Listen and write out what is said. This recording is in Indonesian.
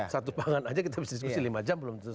satu pangan aja kita bisa diskusi lima jam belum selesai